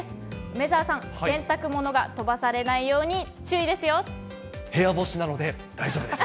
梅澤さん、洗濯物が飛ばされない部屋干しなので大丈夫です。